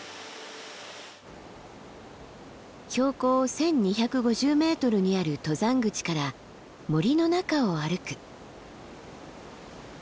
標高１，２５０ｍにある登山口から森の中を歩く。